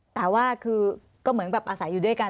แต่ว่าคือก็เหมือนแบบอาศัยอยู่ด้วยกัน